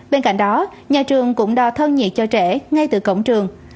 bên cạnh đó nhà trường cũng đo thân nhiệt cho trẻ ngay từ cổng trường